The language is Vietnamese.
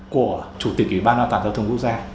của chủ tịch ủy ban an toàn giao thông quốc gia